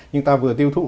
nhưng ta vừa tiêu thụ